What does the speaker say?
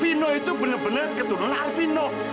vino itu benar benar keturunan alfino